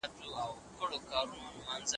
زه اوږده وخت شګه پاکوم؟!